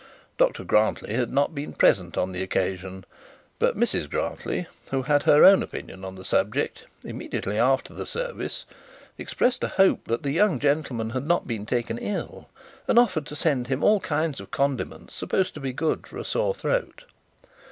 Dr Grantly had not been present on the occasion; but Mrs Grantly, who had her own opinion on the subject, immediately after the service expressed a hope that the young gentleman had not been taken ill, and offered to send him all kinds of condiments supposed to be good for a sore throat.